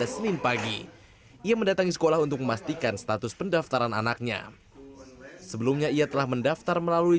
sinyal yang kurang begitu bagus